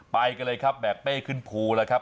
ไปกันเลยครับแบกเป้ขึ้นภูแล้วครับ